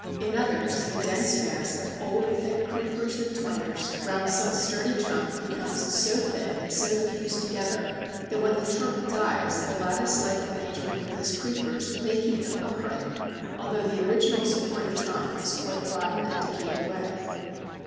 In others the dense mass of old, thick creepers and twiners round some sturdy trunk becomes so thick and so fused together that when the trunk dies the lattice like arrangement of these creepers may keep them upright although the original supporting trunk is quite rotten and decayed away.